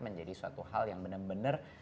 menjadi suatu hal yang benar benar